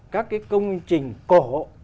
các cái công trình cổ